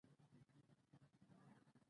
خونه د ماشوم په خوښه سینګار شوې وي.